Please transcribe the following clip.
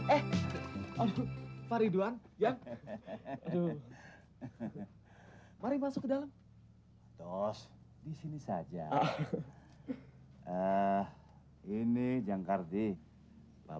tapi dari mana uang ini bapak dapatkan